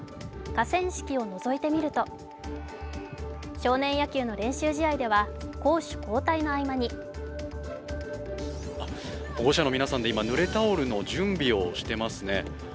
河川敷をのぞいてみると少年野球の練習試合では、攻守交代の合間にあ、保護者の皆さんで今、ぬれタオルの準備をしてますね。